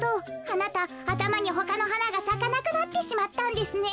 あなたあたまにほかのはながさかなくなってしまったんですね。